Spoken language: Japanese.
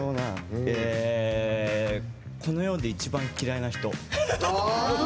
この世で一番嫌いな人。